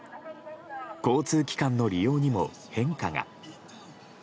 交通機関の利用にも変化が。